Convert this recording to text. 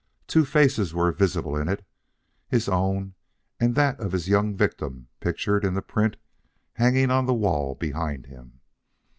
Two faces were visible in it, his own and that of his young victim pictured in the print hanging on the wall behind him.